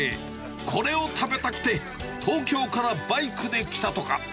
これを食べたくて東京からバイクで来たとか。